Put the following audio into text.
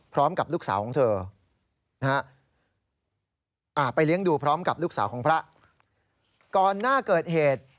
พร้อมกับลูกสาวของเธอ